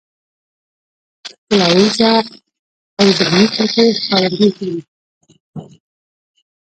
ښکلاييز ذوق او ذهني کچې ښکارندويي کوي .